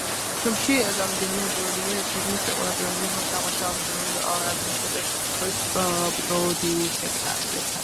ფილმში წარმოდგენილია ინტერვიუები თითქმის ყველა პიროვნებასთან, რომელიც მონაწილეობდა ორიგინალური ალბომის ჩაწერაში, მათ შორის პროდიუსერებთან.